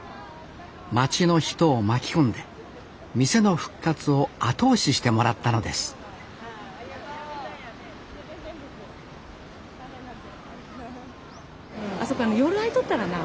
町の人を巻き込んで店の復活を後押ししてもらったのですあそこ夜開いとったらなあ。